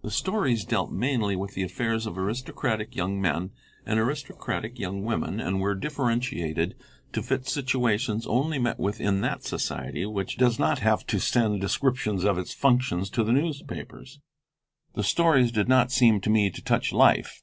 The stories dealt mainly with the affairs of aristocratic young men and aristocratic young women, and were differentiated to fit situations only met with in that society which does not have to send descriptions of its functions to the newspapers. The stories did not seem to me to touch life.